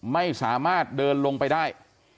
ไม่สามารถเดินลงไปได้